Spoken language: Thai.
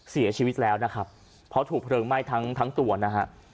เสียชีวิตแล้วนะครับเพราะถูกเพลิงไหม้ทั้งทั้งตัวนะฮะ